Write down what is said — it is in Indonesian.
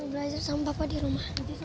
belajar sama bapak di rumah